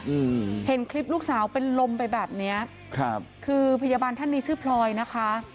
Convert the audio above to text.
อืมเห็นคลิปลูกสาวเป็นลมไปแบบเนี้ยครับคือพยาบาลท่านนี้ชื่อพลอยนะคะ